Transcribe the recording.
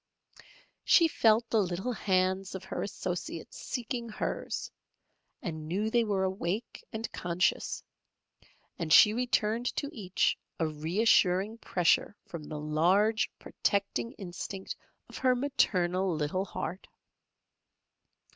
She felt the little hands of her associates seeking hers, and knew they were awake and conscious, and she returned to each a reassuring pressure from the large protecting instinct of her maternal little heart.